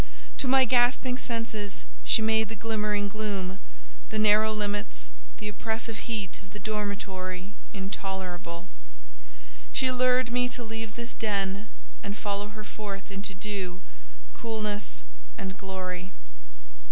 To my gasping senses she made the glimmering gloom, the narrow limits, the oppressive heat of the dormitory, intolerable. She lured me to leave this den and follow her forth into dew, coolness, and glory.